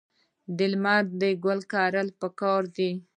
لمر ګل کرل پکار دي.